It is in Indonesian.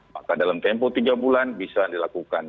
maka dalam tempo tiga bulan bisa dilakukan